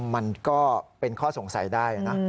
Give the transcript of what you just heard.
มันก็เป็นข้อสงสัยได้นะ